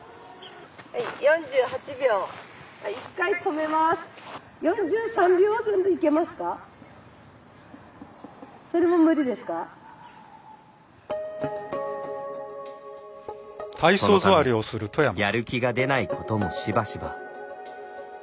そのため、やる気が出ないことも、しばしば。